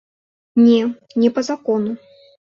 Не, не па закону.